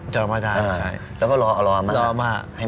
จะเอาอาม่าได้ใช่แล้วก็รออาม่าให้มาแล้วก็รออาม่า